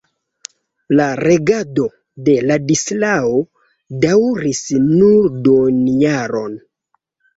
La regado de Ladislao daŭris nur duonjaron.